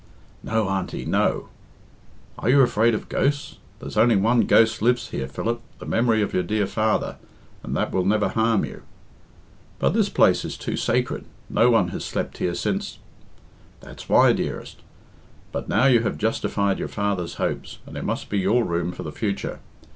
"No, Auntie, no." "Are you afraid of ghosts? There's only one ghost lives here, Philip, the memory of your dear father, and that will never harm you." "But this place is too sacred. No one has slept here since " "That's why, dearest. But now you have justified your father's hopes, and it must be your room for the future.